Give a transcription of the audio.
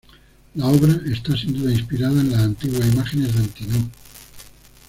La obra está sin duda inspirada en las antiguas imágenes de Antínoo.